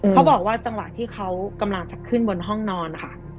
เขาบอกว่าจังหวะที่เขากำลังจะขึ้นบนห้องนอนนะคะ